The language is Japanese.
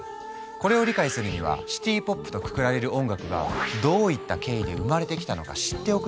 これを理解するにはシティ・ポップとくくられる音楽がどういった経緯で生まれてきたのか知っておく必要がある。